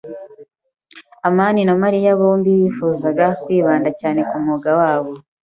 amani na Mariya bombi bifuzaga kwibanda cyane ku mwuga wabo.